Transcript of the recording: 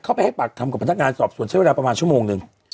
ไปให้ปากคำกับพนักงานสอบสวนใช้เวลาประมาณชั่วโมงนึง